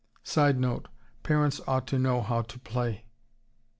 [Sidenote: Parents ought to know how to play.